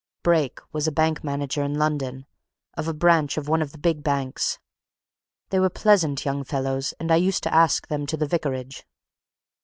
Brake was a bank manager in London of a branch of one of the big banks. They were pleasant young fellows, and I used to ask them to the vicarage.